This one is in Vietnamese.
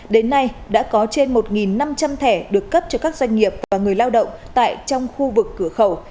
đến nay đã có trên một năm trăm linh thẻ được cấp cho các doanh nghiệp và người lao động tại trong khu vực cửa khẩu